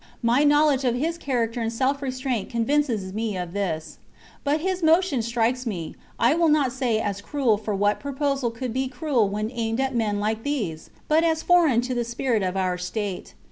My knowledge of his character and self restraint convinces me of this. But his mo tion strikes me, I will not say as cruel — for what proposal could be cruel when aimed at men like these ?— but as foreign to the spirit of our state.